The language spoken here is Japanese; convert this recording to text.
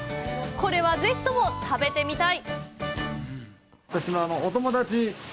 これは、ぜひとも食べてみたい！